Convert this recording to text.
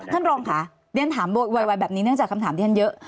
ท่านรองค่ะเรียนถามไวแบบนี้เนื่องจากคำถามที่ท่านเยอะ